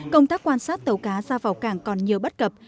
công tác quan sát tàu cá ra vào cảng còn nhiều bất cập